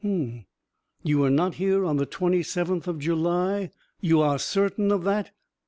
"H'm! You were not here on the twenty seventh of July? You are certain of that?"